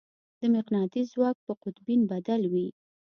د مقناطیس ځواک په قطبین بدل وي.